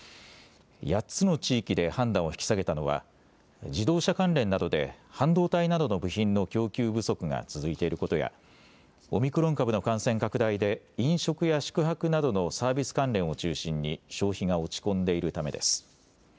８つの地域で判断を引き下げたのは自動車関連などで半導体などの部品の供給不足が続いていることやオミクロン株の感染拡大で飲食や宿泊などのサービス関連を中心に消費が落ち込んでいるためです。